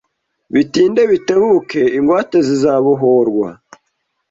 Bitinde bitebuke, ingwate zizabohorwa.